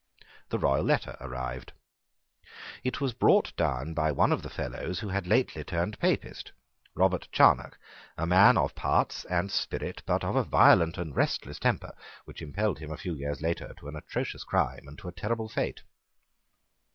The royal letter arrived. It was brought down by one of the Fellows who had lately turned Papist, Robert Charnock, a man of parts and spirit, but of a violent and restless temper, which impelled him a few years later to an atrocious crime and to a terrible fate.